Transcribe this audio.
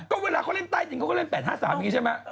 ก็เวลาเขาเล่นใต้ดินเขาก็เล่น๘๕๓อย่างนี้ใช่ไหม